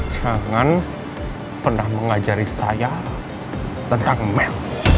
jangan pernah mengajari saya tentang man